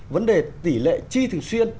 vấn đề tỷ lệ chi thường xuyên